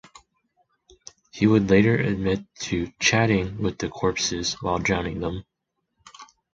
He would later admit to "chatting" with the corpses while drowning them.